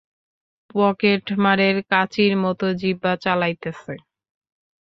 পকেটমারের, কাঁচির মত, জিহ্বা চালাইতেছ।